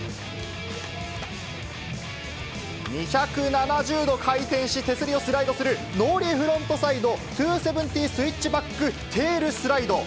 ２７０度回転し、手すりをする、ノーリーフロントサイド２７０スイッチバックテールスライド。